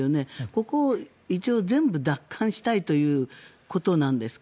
ここを一応、全部奪還したいということですか？